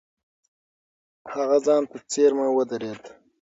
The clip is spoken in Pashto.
هغه ځان ته څېرمه ودرېد.